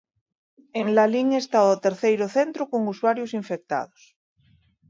En Lalín está o terceiro centro con usuarios infectados.